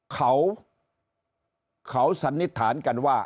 เขาสันนิษฐานกันว่า